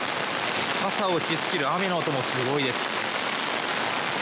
傘に打ちつける雨の音もすごいです。